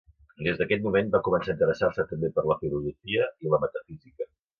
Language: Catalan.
Des d'aquest moment va començar a interessar-se també per la filosofia i la metafísica.